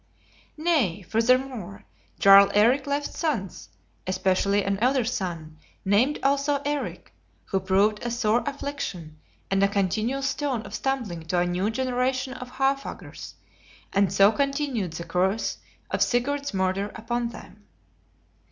Nay, furthermore, Jarl Eric left sons, especially an elder son, named also Eric, who proved a sore affliction, and a continual stone of stumbling to a new generation of Haarfagrs, and so continued the curse of Sigurd's murder upon them.